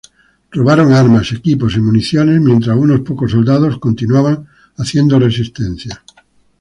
Robaron armas, equipos y municiones, mientras unos pocos soldados continuaban haciendo resistencia.